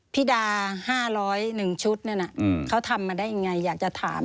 พี่ดาห้าร้อยหนึ่งชุดนั้นน่ะเขาทำมาได้อย่างไรอยากจะถาม